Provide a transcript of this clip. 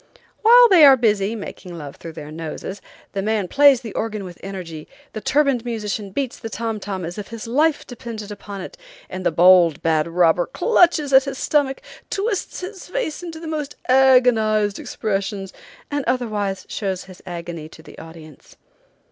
While they are busy, making love through their noses, the man plays the organ with energy, the turbaned musician beats the tom tom as if his life depended upon it, and the bold, bad robber clutches at his stomach, twists his face into the most agonized expressions, and otherwise shows his agony to the audience.